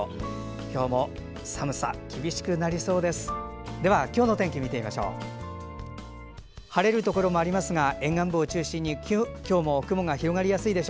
今日も寒さ厳しくなりそうです。